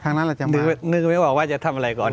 นึกว่าจะทำอะไรก่อน